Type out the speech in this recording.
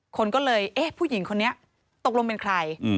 คนก็เลยเอ๊ะผู้หญิงคนนี้ตกลงเป็นใคร